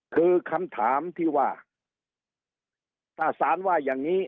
คือคำถามที่ว่าถ้าสารว่าอย่างนี้